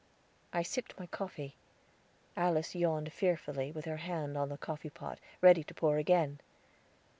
I sipped my coffee; Alice yawned fearfully, with her hand on the coffee pot, ready to pour again.